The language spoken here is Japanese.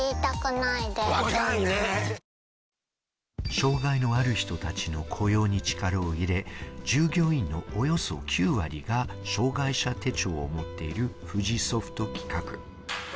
障害のある人たちの雇用に力を入れ、従業員のおよそ９割が障害者手帳を持っている富士ソフト企画。